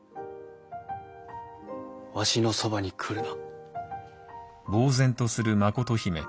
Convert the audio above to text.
わしのそばに来るな。